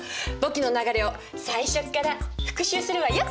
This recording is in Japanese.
簿記の流れを最初から復習するわよ！